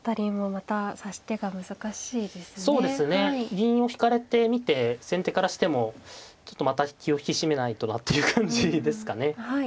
銀を引かれてみて先手からしてもちょっとまた気を引き締めないとなという感じですかね。